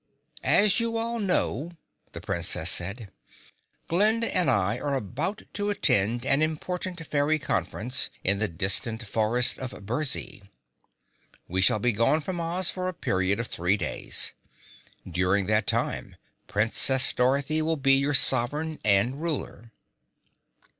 "As you all know," the Princess said, "Glinda and I are about to attend an important Fairy Conference in the distant Forest of Burzee. We shall be gone from Oz for a period of three days. During that time, Princess Dorothy will be your sovereign and ruler."